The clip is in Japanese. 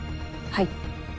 はい。